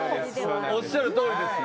おっしゃる通りですよ。